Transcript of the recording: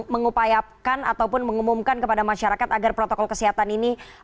mengupayakan ataupun mengumumkan kepada masyarakat agar protokol kesehatan ini